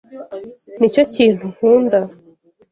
Nicyo kintu nkunda.